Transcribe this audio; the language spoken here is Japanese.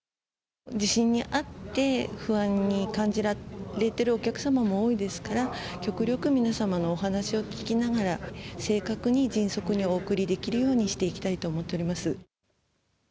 地震に遭って不安に感じられてるお客様も多いですから、極力、皆様のお話を聞きながら、正確に迅速にお送りできるようにしていきたいと思っております。